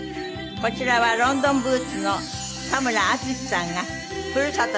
こちらはロンドンブーツの田村淳さんがふるさと